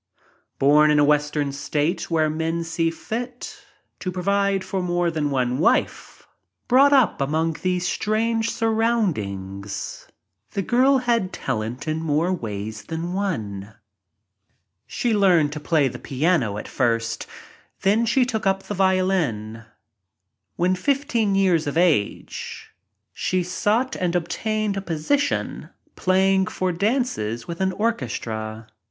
Born in a Western state where men see fit to provide for more than one wife— brought up among these strange surroundings the girl had talent in more ways than one. She learned to play the piano at first, then she took up the violin. When fifteen years of age she sought and obtained a position playing for dances with an orchestra.